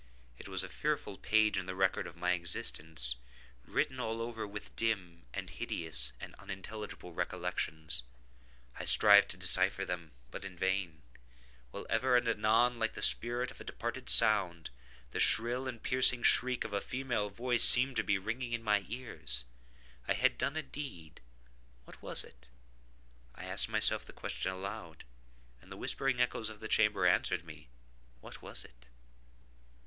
It was a fearful page in the record my existence, written all over with dim, and hideous, and unintelligible recollections. I strived to decypher them, but in vain; while ever and anon, like the spirit of a departed sound, the shrill and piercing shriek of a female voice seemed to be ringing in my ears. I had done a deed—what was it? I asked myself the question aloud, and the whispering echoes of the chamber answered me,—"What was it?"